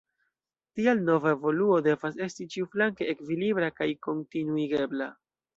Tial nova evoluo devas esti ĉiuflanke ekvilibra kaj kontinuigebla.